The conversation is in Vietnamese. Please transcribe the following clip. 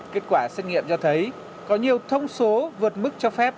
kết quả xét nghiệm cho thấy có nhiều thông số vượt mức cho phép